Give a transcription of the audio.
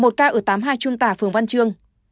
một ca ở tám mươi hai trung tà phường văn trương